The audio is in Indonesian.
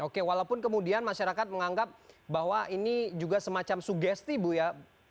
oke walaupun kemudian masyarakat menganggap bahwa ini juga semacam sugesti bu ya